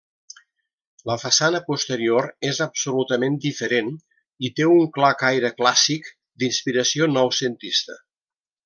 La façana posterior és absolutament diferent i té un clar caire clàssic, d'inspiració noucentista.